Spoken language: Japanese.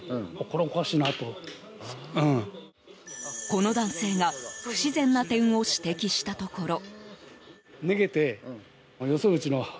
この男性が不自然な点を指摘したところ。